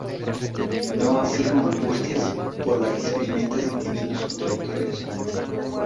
No así con Angustias, por la que experimenta sentimientos contradictorios.